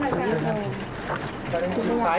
พี่ข้ามลงเลยครับ